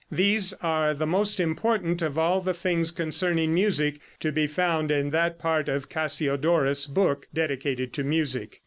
These are the most important of all the things concerning music to be found in that part of Cassiodorus' book dedicated to music.